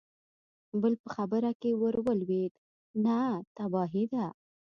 بل په خبره کې ور ولوېد: نه، تباهي ده!